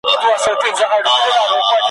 دله غل د کور مالت نه غلا کوي `